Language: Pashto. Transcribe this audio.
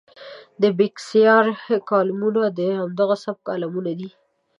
د بېکسیار کالمونه د همدغه سبک کالمونه دي.